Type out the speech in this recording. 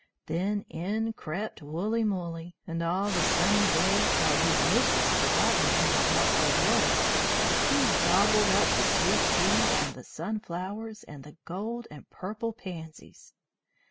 Then in crept Woollymoolly, and all the sunny day, while his mistress forgot him in her household work, he gobbled up the sweet peas and the sunflowers and the gold and purple pansies.